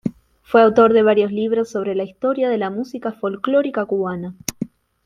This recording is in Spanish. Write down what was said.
Fue autor de varios libros sobre la historia de la música folclórica cubana.